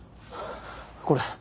これ。